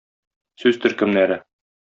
Сүз төркемнәре.